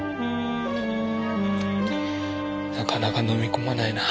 なかなか飲み込まないな。